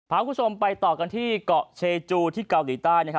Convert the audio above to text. พาคุณผู้ชมไปต่อกันที่เกาะเชจูที่เกาหลีใต้